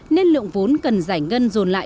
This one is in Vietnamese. nên lượng vốn cần giải ngân dồn lại